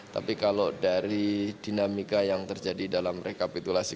tapi kalau dari dinamika yang terjadi dalam rekapitulasi